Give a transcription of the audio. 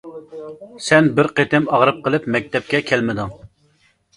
سەن بىر قېتىم ئاغرىپ قېلىپ مەكتەپكە كەلمىدىڭ.